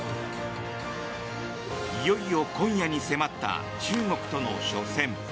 いよいよ今夜に迫った中国との初戦。